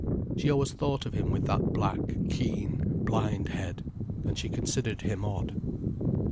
She always thought of him with that black, keen, blind head. And she considered him odd.